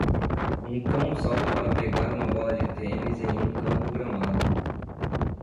Um cão salta para pegar uma bola de tênis em um campo gramado.